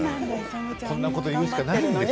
こんなことを言うしかないんです。